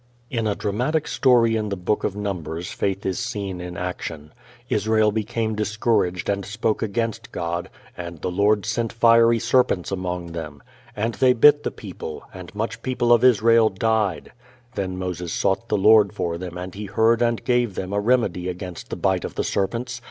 In a dramatic story in the Book of Numbers faith is seen in action. Israel became discouraged and spoke against God, and the Lord sent fiery serpents among them. "And they bit the people; and much people of Israel died." Then Moses sought the Lord for them and He heard and gave them a remedy against the bite of the serpents.